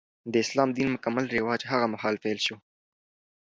د اسلام دین مکمل رواج هغه مهال پیل شو.